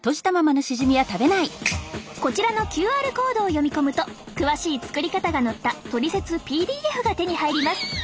こちらのＱＲコードを読み込むと詳しい作り方が載ったトリセツＰＤＦが手に入ります。